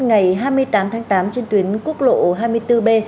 ngày hai mươi tám tháng tám trên tuyến quốc lộ hai mươi bốn b